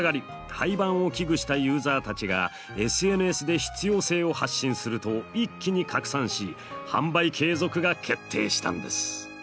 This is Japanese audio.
廃盤を危惧したユーザーたちがＳＮＳで必要性を発信すると一気に拡散し販売継続が決定したんです。